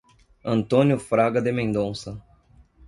Antônio Fraga de Mendonca